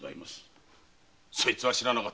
そいつは知らなかった。